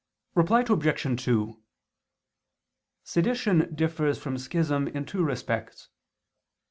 Reply Obj. 2: Sedition differs from schism in two respects.